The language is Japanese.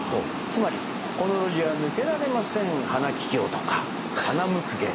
つまり「この路地は抜けられません花ききょう」とか「花むくげ」。